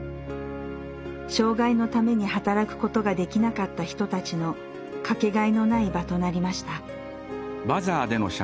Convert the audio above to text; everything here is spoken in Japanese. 障害のために働くことができなかった人たちの掛けがえのない場となりました。